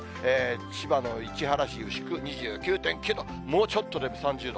千葉の市原市牛久２９．９度、もうちょっとで３０度。